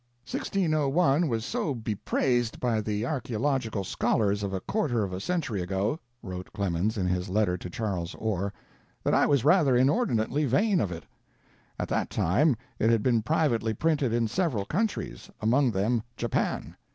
"1601 was so be praised by the archaeological scholars of a quarter of a century ago," wrote Clemens in his letter to Charles Orr, "that I was rather inordinately vain of it. At that time it had been privately printed in several countries, among them Japan.